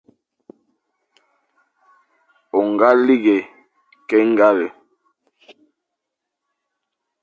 O ñga lighé ke ñgale,